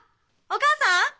お母さん！